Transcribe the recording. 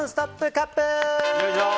カップ！